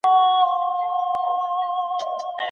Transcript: ښځې په ارمان سره کباب ته کتل او ناهیلې شوه.